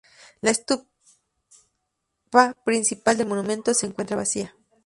La estupa principal del monumento se encuentra vacía.